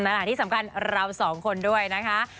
และที่สำคัญเราสองคนด้วยนะคะ